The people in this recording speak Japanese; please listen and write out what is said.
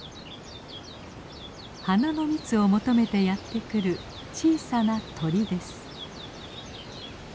花の蜜を求めてやって来る小さな鳥です。